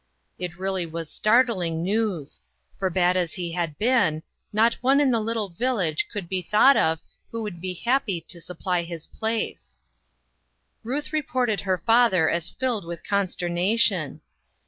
It really was startling news ; for bad as he had been, not one in the little village could be thought of who would be likely to supply his place. INNOVATIONS, 189 Ruth reported her father as filled with consternation.